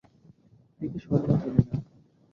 রেখে সরলা চলে গেল।